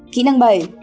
kỹ năng bảy